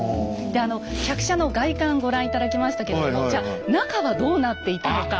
であの客車の外観ご覧頂きましたけどもじゃ中はどうなっていたのか。